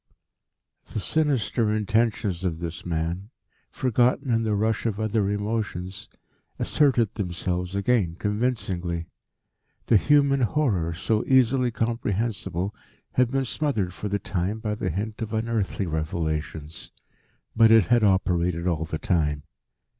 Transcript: The sinister intentions of this man, forgotten in the rush of other emotions, asserted themselves again convincingly. The human horror, so easily comprehensible, had been smothered for the time by the hint of unearthly revelations. But it had operated all the time.